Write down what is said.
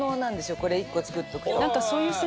これ１個作っとくと。